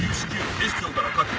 警視庁から各局。